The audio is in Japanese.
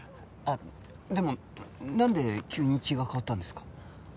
あっでもなんで急に気が変わったんですか？